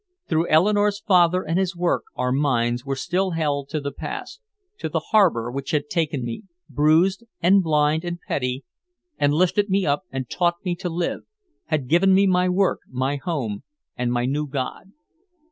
Through Eleanore's father and his work our minds were still held to the past, to the harbor which had taken me, bruised and blind and petty, and lifted me up and taught me to live, had given me my work, my home and my new god.